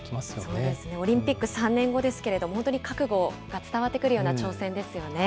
そうですね、オリンピック、３年後ですけれども、本当に覚悟が伝わってくるような挑戦ですよね。